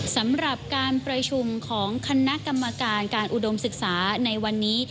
สำหรับการประชุมของคณะกรรมการการอุดมศึกษาในวันนี้